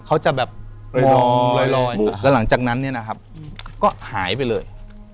เขาจะแบบลอยลอยแล้วหลังจากนั้นเนี่ยนะครับก็หายไปเลย